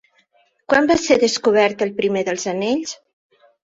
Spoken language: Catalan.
Quan va ser descobert el primer dels anells?